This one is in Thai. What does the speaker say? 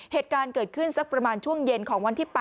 เหตุการณ์เกิดขึ้นสักประมาณช่วงเย็นของวันที่๘